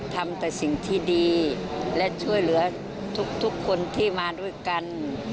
ทำแต่สิ่งที่ดีและช่วยเหลือทุกคนที่มาด้วยกัน